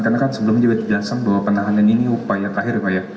karena kan sebelumnya juga dijelaskan bahwa penahanan ini upaya takhir pak ya